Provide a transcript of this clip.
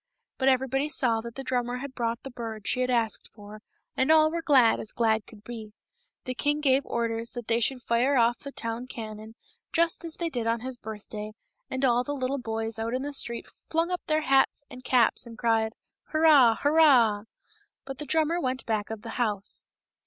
But everybody saw that the drummer had brought the bird she had asked for, and all were as glad as glad could be. The king gave orders that they should fire off the town cannon, just as they did on his birth day, and all the little boys out in the street flung up their hats and caps and cried, " Hurrah ! Hurrah !" But the drummer went off back of the house.